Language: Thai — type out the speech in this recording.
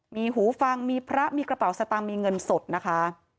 มีหูฟังมีพระมีกระเป๋าสตางค์มีเงินสดนะคะ